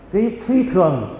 cái suy thường